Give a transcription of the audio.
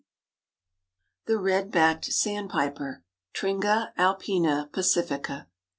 ] THE RED BACKED SANDPIPER. (_Tringa alpina pacifica.